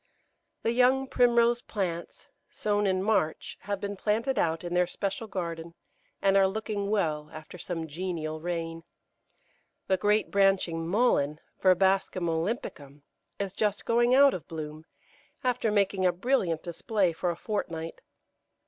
The young Primrose plants, sown in March, have been planted out in their special garden, and are looking well after some genial rain. The great branching Mullein, Verbascum olympicum, is just going out of bloom, after making a brilliant display for a fortnight.